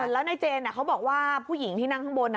แล้วนายเจนเขาบอกว่าผู้หญิงที่นั่งข้างบน